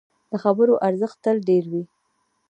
د خبرو ارزښت تل ډېر وي